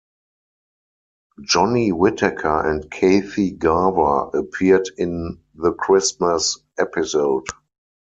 Johnny Whitaker and Kathy Garver appeared in the Christmas episode.